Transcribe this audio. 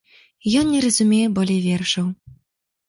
Ён не разумее болей вершаў.